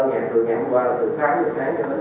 từ ngày hôm qua là từ sáu giờ sáng đến một mươi một giờ